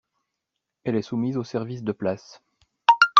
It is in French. Elle est soumise au service de place.